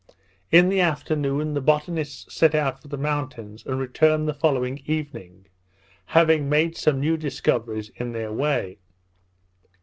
In the afternoon, the botanists set out for the mountains, and returned the following evening, having made some new discoveries in their way.